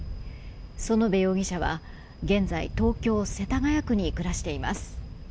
園部容疑者は現在東京・世田谷区で暮らしています。